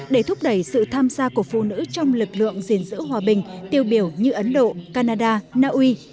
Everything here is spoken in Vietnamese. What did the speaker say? để thúc đẩy sự tham gia của phụ nữ trong lực lượng gìn giữ hòa bình tiêu biểu như ấn độ canada naui